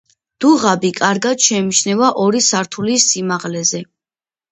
დუღაბი კარგად შეიმჩნევა ორი სართულის სიმაღლეზე.